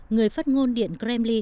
người phát ngôn điện kremlin